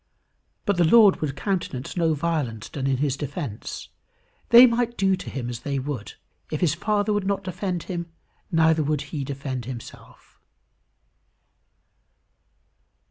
But the Lord would countenance no violence done in his defence. They might do to him as they would. If his Father would not defend him, neither would he defend himself.